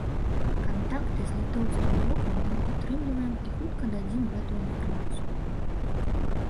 Кантакты з літоўскім бокам мы падтрымліваем і хутка дадзім гэтую інфармацыю.